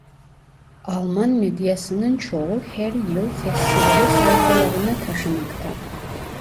Alman medyasının çoğu her yıl festivali sayfalarına taşımakta.